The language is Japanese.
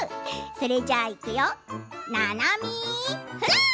それじゃあ、いくよー！